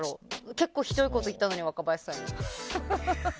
結構ひどいこと言ったのに若林さんに。